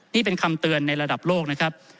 นี่เป็นคำเตือนในระดับโลกนะครับ